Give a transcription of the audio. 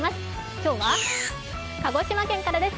今日は鹿児島県からです。